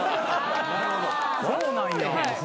そうなんや。